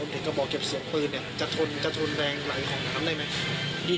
อมเทศกระบอกเก็บเสียงพื้นเนี้ยจะทนจะทนแรงไหลของนักน้ำได้ไหม